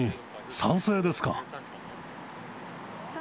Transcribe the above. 賛成です。